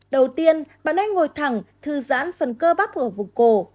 đầu tiên bạn hãy ngồi thẳng thư giãn phần cơ bắp ở vùng cổ